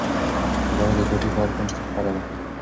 تیاره د کوټې په هر کونج کې خپره ده.